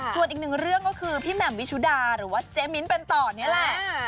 ส่วนอีกหนึ่งเรื่องก็คือพี่แหม่มวิชุดาหรือว่าเจ๊มิ้นเป็นต่อนี่แหละ